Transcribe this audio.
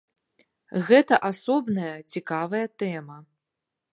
Гэта асобная цікавая тэма.